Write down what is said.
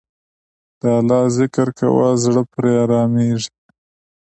د الله ذکر کوه، زړه پرې آرامیږي.